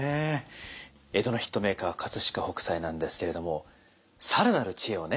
江戸のヒットメーカー飾北斎なんですけれども更なる知恵をね